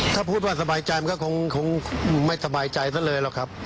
ถ้าพูดว่าสบายใจมันก็คงไม่สบายใจซะเลยหรอกครับ